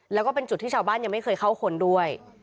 แล้วก็เป็นจุดที่ชาวบ้านยังไม่เคยเข้าคนด้วย